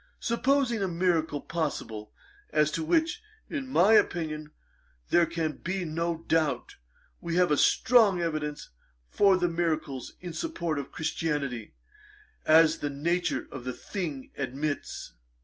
Supposing a miracle possible, as to which, in my opinion, there can be no doubt, we have as strong evidence for the miracles in support of Christianity, as the nature of the thing admits.'